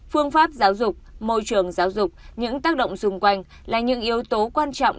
phương pháp giáo dục môi trường giáo dục những tác động xung quanh là những yếu tố quan trọng